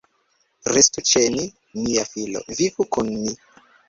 Restu ĉe ni, mia filo, vivu kun ni.